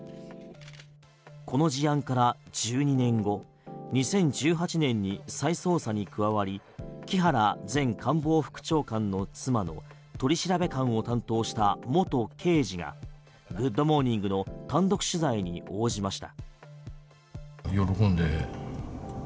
この事案から１２年後２０１８年に再捜査に加わり木原前官房副長官の妻の取調官を担当した元刑事が「グッド！モーニング」の単独取材に応じました。